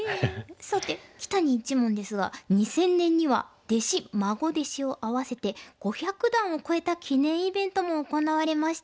さて木谷一門ですが２０００年には弟子孫弟子を合わせて５００段を超えた記念イベントも行われました。